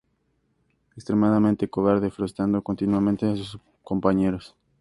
Extremadamente cobarde, frustrando continuamente a sus compañeros.